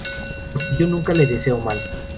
Porque yo nunca le deseo mal..